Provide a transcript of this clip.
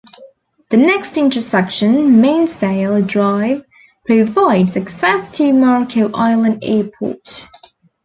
The next intersection, Mainsail Drive, provides access to Marco Island Airport.